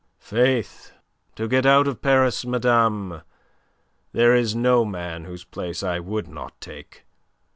"Faith, to get out of Paris, madame, there is no man whose place I would not take."